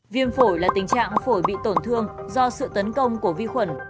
viêm phổi là tình trạng phổi bị tổn thương do sự tấn công của vi khuẩn